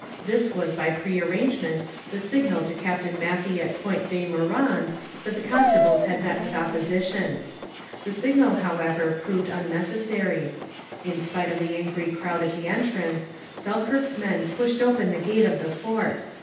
This was by prearrangement the signal to Captain Matthey at Point De Meuron that the constables had met with opposition. The signal, however, proved unnecessary. In spite of the angry crowd at the entrance, Selkirk's men pushed open the gate of the fort.